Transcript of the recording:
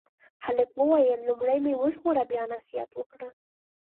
هلک وویل لومړی مې وژغوره بیا نصیحت وکړه.